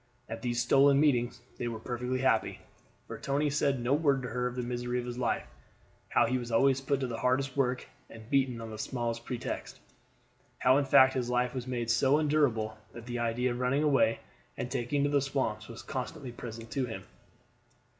At these stolen meetings they were perfectly happy; for Tony said no word to her of the misery of his life how he was always put to the hardest work and beaten on the smallest pretext, how in fact his life was made so unendurable that the idea of running away and taking to the swamps was constantly present to him.